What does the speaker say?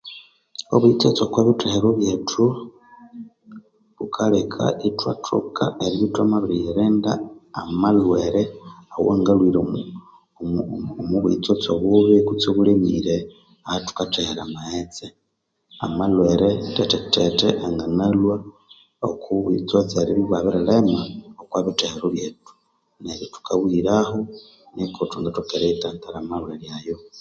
Obuyitsotse okwabitihero byethu bukalhalheka eribya itwabya ithamabiriyilhinda amalweri